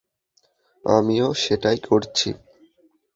আমিও সেটাই করছি।